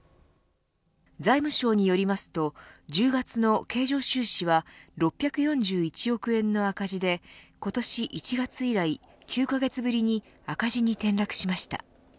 財務省によりますと１０月の経常収支は６４１億円の赤字で今年１月以来９カ月ぶりに赤字に転落しました。